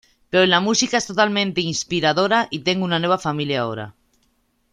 Pero la música es totalmente inspiradora y tengo una nueva familia ahora.